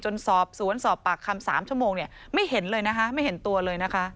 สอบสวนสอบปากคำ๓ชั่วโมงเนี่ยไม่เห็นเลยนะคะไม่เห็นตัวเลยนะคะ